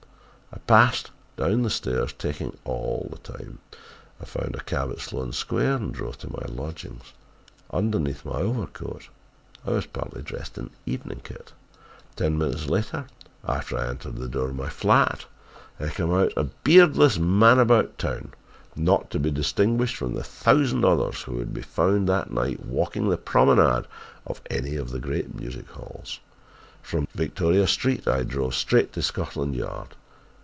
I passed down the stairs talking all the time. I found a cab at Sloane Square and drove to my lodgings. Underneath my overcoat I was partly dressed in evening kit. "Ten minutes after I entered the door of my flat I came out a beardless man about town, not to be distinguished from the thousand others who would be found that night walking the promenade of any of the great music halls. From Victoria Street I drove straight to Scotland Yard.